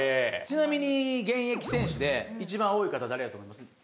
ちなみに現役選手で一番多い方誰やと思います？